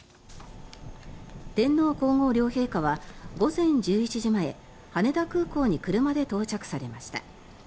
天皇・皇后両陛下は午前１１時前羽田空港に車で到着されました。